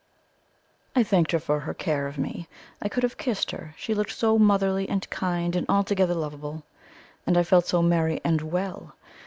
I thanked her for her care of me; I could have kissed her, she looked so motherly, and kind, and altogether lovable. And I felt so merry and well!